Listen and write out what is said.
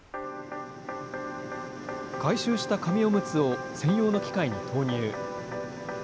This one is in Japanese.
回収した紙おむつを専用の機械に投入。